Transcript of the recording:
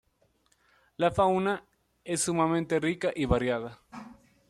La fauna es sumamente rica y variada.